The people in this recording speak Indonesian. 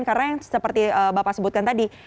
karena yang seperti bapak sebutkan tadi